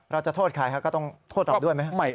เราจะโทษใครครับก็ต้องโทษเราด้วยไหม